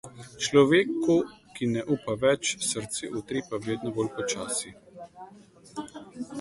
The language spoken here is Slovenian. Človeku, ki ne upa več, srce utripa vedno bolj počasi.